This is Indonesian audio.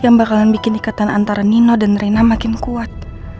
yang bakalan bikin ikatan antara nino dan reina makin kuat